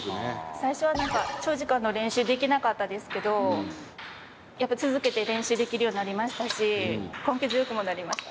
最初は何か長時間の練習できなかったですけどやっぱ続けて練習できるようになりましたし根気強くもなりました。